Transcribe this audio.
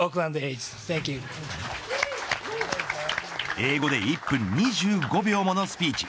英語で１分２５分ものスピーチ。